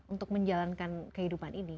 untuk menjalankan kehidupan ini